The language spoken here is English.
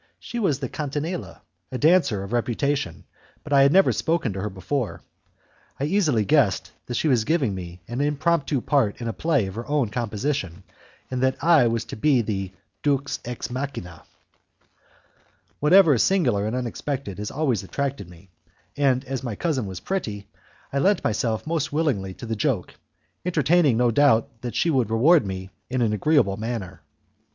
She was the Catinella, a dancer of reputation, but I had never spoken to her before. I easily guessed that she was giving me an impromptu part in a play of her own composition, and I was to be a 'deus ex machina'. Whatever is singular and unexpected has always attracted me, and as my cousin was pretty, I lent myself most willingly to the joke, entertaining no doubt that she would reward me in an agreeable manner.